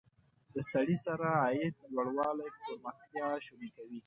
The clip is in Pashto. د سړي سر عاید لوړوالی پرمختیا شونې کوي.